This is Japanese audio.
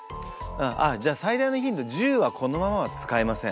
じゃあ最大のヒント１０はこのままは使えません。